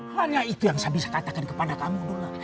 hanya itu yang saya bisa katakan kepada kamu dululah